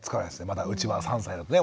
まだうちは３歳なので。